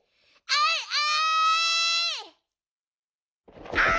あいあい！